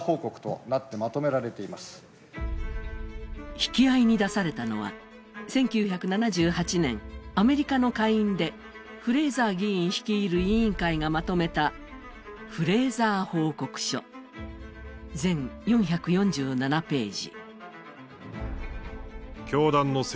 引き合いに出されたのは、１９７８年、アメリカの下院でフレーザー議員率いる委員会がまとめたフレーザー報告書、全４４７ページ。